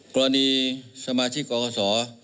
กรณีสมาชิกกรกศ